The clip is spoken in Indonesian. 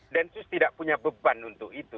densus tidak punya beban untuk itu